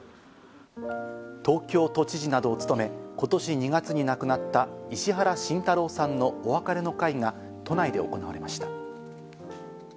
東京都知事などを務め、今年２月に亡くなった石原慎太郎さんのお別れの会が都内で行われました。